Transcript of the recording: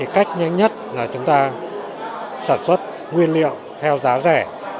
cách nhanh nhất là chúng ta sản xuất nguyên liệu theo giá rẻ